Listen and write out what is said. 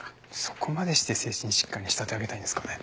そこまでして精神疾患に仕立て上げたいんですかね。